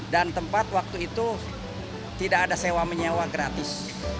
dan tempat waktu itu tidak ada sewa menyewa gratis